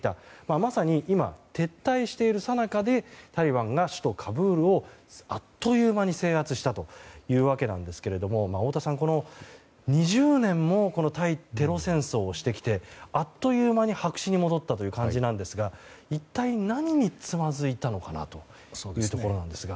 まさに今、撤退しているさなかでタリバンが首都カブールをあっという間に制圧したというわけなんですが太田さん、この２０年も対テロ戦争をしてきてあっという間に白紙に戻ったという感じなんですが一体何につまずいたのかなというところですが。